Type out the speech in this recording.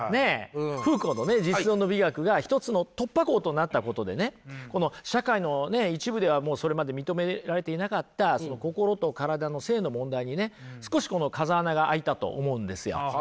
フーコーのね実存の美学が一つの突破口となったことでねこの社会の一部ではもうそれまで認められていなかった心と体の性の問題にね少しこの風穴が開いたと思うんですよ。